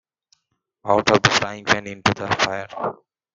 Out of the frying-pan into the fire.